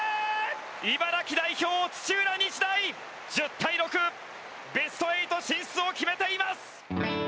茨城代表、土浦日大１０対６ベスト８進出を決めています。